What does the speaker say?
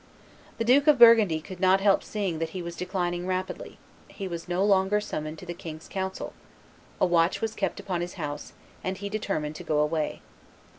The Duke of Burgundy could not help seeing that he was declining rapidly; he was no longer summoned to the king's council; a watch was kept upon his house; and he determined to go away.